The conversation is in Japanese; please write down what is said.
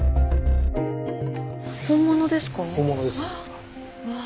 本物ですか？